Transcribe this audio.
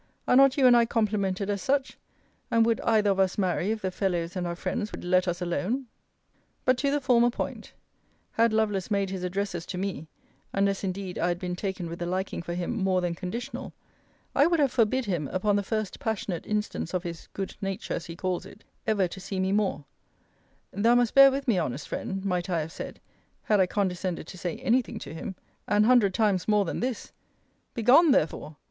Are not you and I complimented as such? And would either of us marry, if the fellows and our friends would let us alone? But to the former point; had Lovelace made his addresses to me, (unless indeed I had been taken with a liking for him more than conditional,) I would have forbid him, upon the first passionate instance of his good nature, as he calls it, ever to see me more: 'Thou must bear with me, honest friend, might I have said [had I condescended to say any thing to him] an hundred times more than this: Begone, therefore!